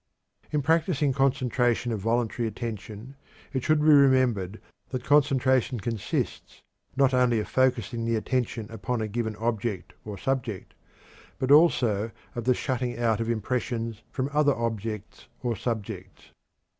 In practicing concentration of voluntary attention, it should be remembered that concentrating consists not only of focusing the attention upon a given object or subject, but also of the shutting out of impressions from other objects or subjects.